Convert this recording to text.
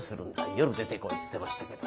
夜出てこい」つってましたけど。